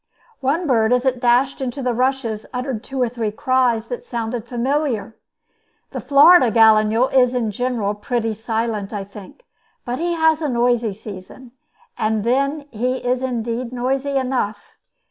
One bird, as it dashed into the rushes, uttered two or three cries that sounded familiar. The Florida gallinule is in general pretty silent, I think; but he has a noisy season; then he is indeed noisy enough.